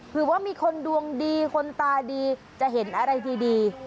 เผื่อว่ามีคนดวงดีคนตาดีจะเห็นอะไรดี